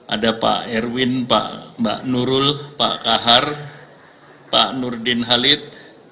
ada pak erwin pak nurul pak kahar pak nurdin halid